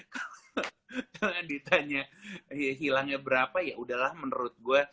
kalau ditanya hilangnya berapa ya udahlah menurut gue